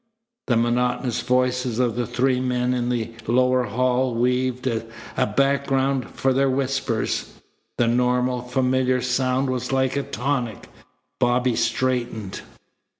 The monotonous voices of the three men in the lower hall weaved a background for their whispers. The normal, familiar sound was like a tonic. Bobby straightened.